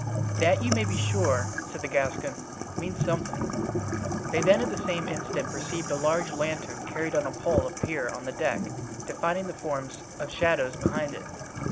"That, you may be sure," said the Gascon, "means something." They then at the same instant perceived a large lantern carried on a pole appear on the deck, defining the forms of shadows behind it.